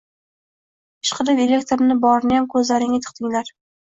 Ishqilib elektrni boriniyam koʻzlaringga tiqdinglar!